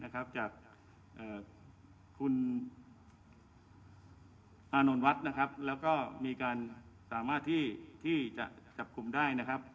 กับคุณอานนท์วัสด์แล้วก็มีการสามารถที่จะจับคุมได้